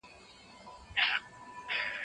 د کارکوونکو زیات کار د فشار سبب کېږي.